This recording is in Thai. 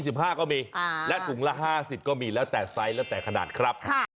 ถุงละ๒๕ก็มีและถุงละ๕๐ก็มีแล้วแต่ไซส์แล้วแต่ขนาดครับ